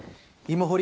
芋掘り。